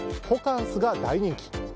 ホカンスが大人気。